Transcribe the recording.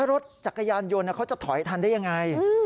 รถจักรยานยนต์เขาจะถอยทันได้ยังไง